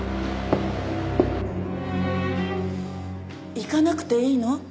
行かなくていいの？